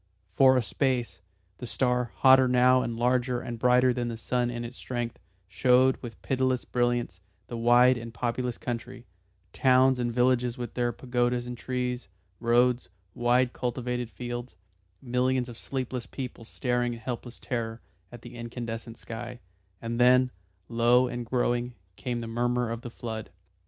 For a space the star, hotter now and larger and brighter than the sun in its strength, showed with pitiless brilliance the wide and populous country; towns and villages with their pagodas and trees, roads, wide cultivated fields, millions of sleepless people staring in helpless terror at the incandescent sky; and then, low and growing, came the murmur of the flood.